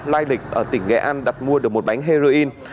lai lịch ở tỉnh nghệ an đặt mua được một bánh harry inn